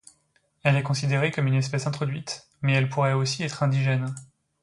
Elle est considérée comme une espèce introduite, mais elle pourrait aussi être indigène.